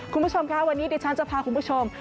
คุณผู้ชมค่ะวันนี้ดิฉันจะพาคุณผู้ชม